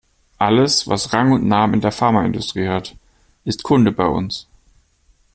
Alles, was Rang und Namen in der Pharmaindustrie hat, ist Kunde bei uns.